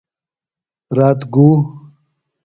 رات گُو۔